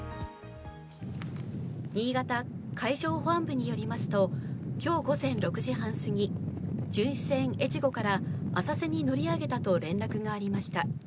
新潟海上保安部によりますと、今日午前６時半過ぎ、巡視船「えちご」から、浅瀬に乗り上げたと連絡がありました。